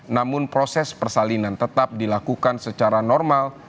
namun proses persalinan tetap dilakukan secara normal